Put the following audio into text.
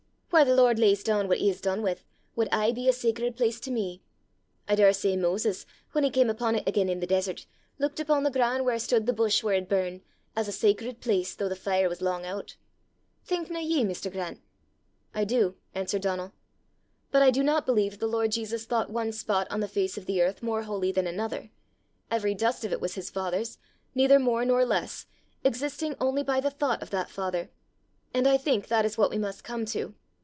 Whaur the Lord lays doon what he has dune wi', wad aye be a sacred place to me. I daursay Moses, whan he cam upo' 't again i' the desert, luikit upo' the ground whaur stood the buss that had burned, as a sacred place though the fire was lang oot! Thinkna ye, Mr. Grant?" "I do," answered Donal. "But I do not believe the Lord Jesus thought one spot on the face of the earth more holy than another: every dust of it was his father's, neither more nor less, existing only by the thought of that father! and I think that is what we must come to.